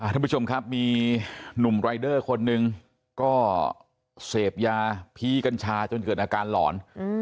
ท่านผู้ชมครับมีหนุ่มรายเดอร์คนหนึ่งก็เสพยาพีกัญชาจนเกิดอาการหลอน